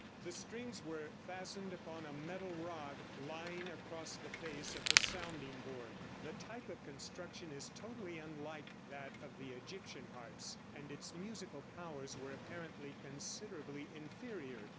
The strings were fastened upon a metal rod lying along the face of the sounding board. The type of construction is totally unlike that of the Egyptian harps, and its musical powers were apparently considerably inferior.